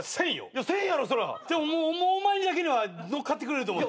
でもお前だけはのっかってくれると思った。